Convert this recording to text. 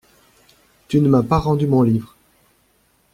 Tu ne m'as pas rendu mon livre.